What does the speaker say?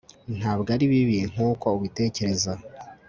ntabwo ari bibi nkuko ubitekereza